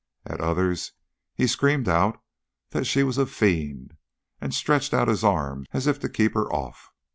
At others he screamed out that she was a fiend, and stretched out his arms, as if to keep her off.